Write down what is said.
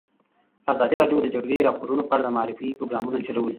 ازادي راډیو د د جګړې راپورونه په اړه د معارفې پروګرامونه چلولي.